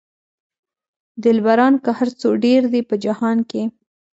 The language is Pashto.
دلبران که هر څو ډېر دي په جهان کې.